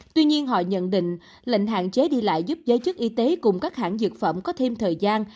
tuy nhiên họ nhận định lệnh hạn chế đi lại giúp giới chức y tế cùng các hãng dược phẩm có thêm thời gian